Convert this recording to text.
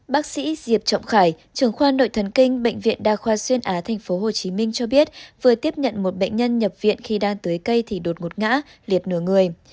bác sĩ diệp trọng khải trưởng khoa nội thần kinh bệnh viện đa khoa xuyên á tp hcm cho biết vừa tiếp nhận một bệnh nhân nhập viện khi đang tưới cây thì đột ngột ngã liệt nửa người